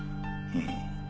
うん。